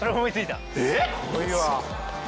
⁉すごいわ！